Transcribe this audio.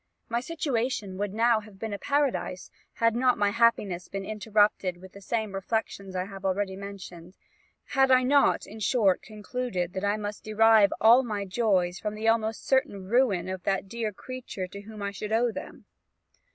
"My situation would now have been a paradise, had not my happiness been interrupted with the same reflections I have already mentioned; had I not, in short, concluded, that I must derive all my joys from the almost certain ruin of that dear creature to whom I should owe them.